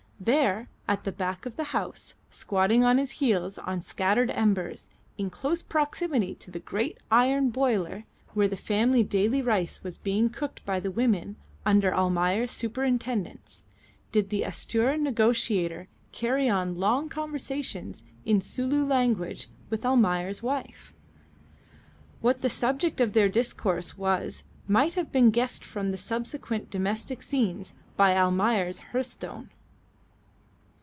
There at the back of the house, squatting on his heels on scattered embers, in close proximity to the great iron boiler, where the family daily rice was being cooked by the women under Mrs. Almayer's superintendence, did that astute negotiator carry on long conversations in Sulu language with Almayer's wife. What the subject of their discourses was might have been guessed from the subsequent domestic scenes by Almayer's hearthstone.